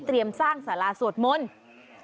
เตรียมสร้างสาราสวดมนต์